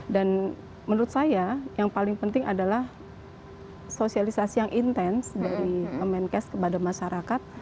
dan menurut saya yang paling penting adalah sosialisasi yang intens dari kementkes kepada masyarakat